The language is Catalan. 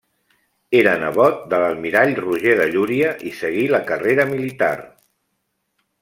Era nebot de l'almirall Roger de Llúria i seguí la carrera militar.